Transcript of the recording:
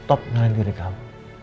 ya stop ngelanjuti kamu